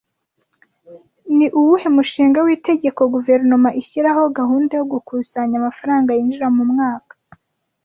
Ni uwuhe mushinga w'itegeko guverinoma ishyiraho gahunda yo gukusanya amafaranga yinjira mu mwaka